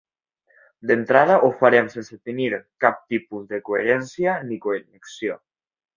D'entrada ho feren sense tenir cap tipus de coherència ni connexió.